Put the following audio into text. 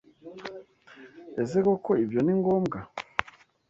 Ese koko ibyo ni ngombwa?